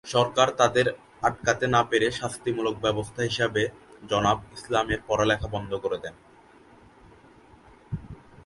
সরকার তাদের আটকাতে না পেরে শাস্তি মুলক ব্যবস্থা হিসেবে জনাব ইসলামের পড়ালেখা বন্ধ করে দেন।